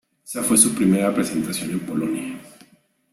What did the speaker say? Esa fue su primera presentación en Polonia.